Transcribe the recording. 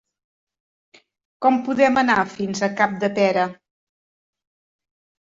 Com podem anar fins a Capdepera?